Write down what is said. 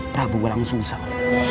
prabu walang susam